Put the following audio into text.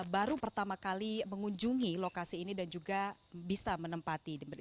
baru pertama kali mengunjungi lokasi ini dan juga bisa menempati